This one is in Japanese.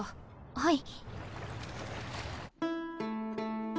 はい。